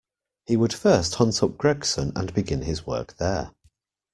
He would first hunt up Gregson and begin his work there.